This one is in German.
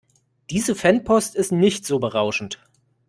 Diese Fanpost ist nicht so berauschend.